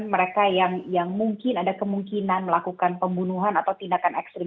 mereka yang mungkin ada kemungkinan melakukan pembunuhan atau tindakan ekstrim